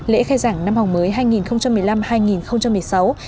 lễ khai giảng năm học mới hai nghìn một mươi năm hai nghìn một mươi sáu